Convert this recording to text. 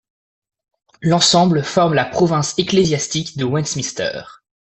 L'ensemble forme la province ecclésiastique de Westminster.